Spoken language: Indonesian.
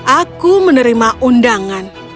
aku menerima undangan